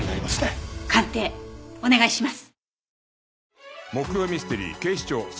鑑定お願いします。